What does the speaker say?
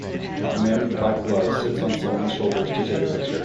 A man with black gloves sits on someone 's shoulders to take a picture.